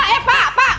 eh pak pak